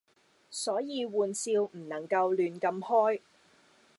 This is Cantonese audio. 所以玩笑唔能夠亂咁開